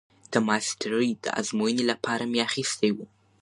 د ماسترۍ د ازموينې لپاره مې اخيستي وو.